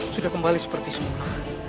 sudah kembali seperti semula